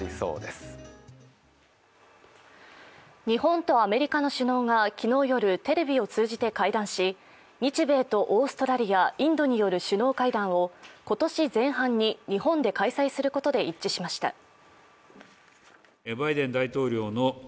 日本とアメリカの首脳が昨日夜、テレビを通じて会談し、日米とオーストラリア、インドによる首脳会談を今年前半に日本で開催することで一致しました。